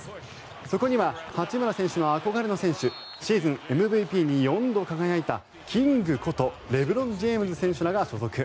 そこには八村選手の憧れの選手シーズンＭＶＰに４度輝いたキングことレブロン・ジェームズ選手らが所属。